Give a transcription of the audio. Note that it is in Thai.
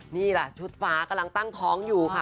นี่แหละชุดฟ้ากำลังตั้งท้องอยู่ค่ะ